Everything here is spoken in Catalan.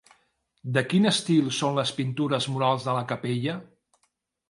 De quin estil són les pintures murals de la capella?